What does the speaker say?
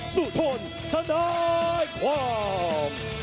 สุทนทนายความ